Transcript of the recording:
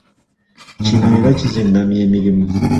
Kino era kizingamya emirimu.